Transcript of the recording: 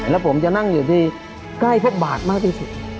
แล้วผมจะนั่งอยู่ที่ใกล้พวกบาทมากที่สุด